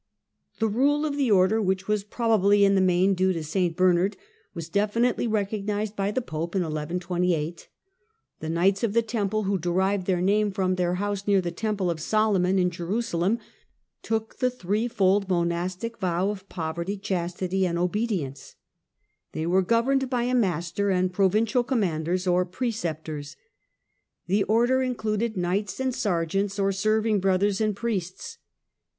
The Kule of the Order, which was probably in the main due to St Bernard, was definitely recognized by the Pope in 1128. The Knights of the Temple, who derived their name from their house near the Temple of Solomon in Jerusalem, took the threefold monastic vow of chastity, obedience and poverty. They were governed by a Master and provincial commanders or pre ceptors. The Order included knights, sergeants, or serving brothers, and priests.